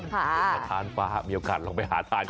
ก็มันคืออาทารฟ้ามีโอกาสลองไปหาทาน